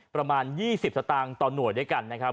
ประมาณ๒๐สตางค์ต่อหน่วยด้วยกันนะครับ